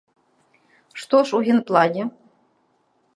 Што ж у генплане?